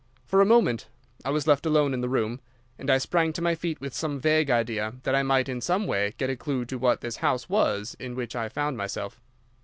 For a moment I was left alone in the room, and I sprang to my feet with some vague idea that I might in some way get a clue to what this house was in which I found myself.